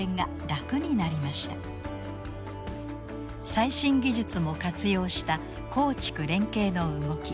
最新技術も活用した耕畜連携の動き。